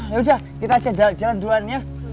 yaudah kita aja jalan duaan ya